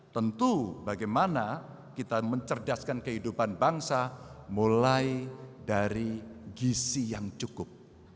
tentu bagaimana kita mencerdaskan kehidupan bangsa mulai dari gisi yang cukup